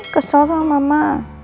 kesel sama mama